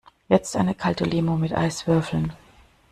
Jetzt eine kalte Limo mit Eiswürfeln!